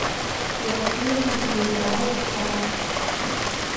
Иаҳзымҩит жәеинраалак ҳара.